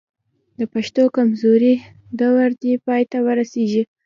د پښتو د کمزورۍ دور دې پای ته ورسېږي.